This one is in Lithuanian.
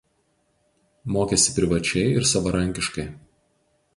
Mokėsi privačiai ir savarankiškai.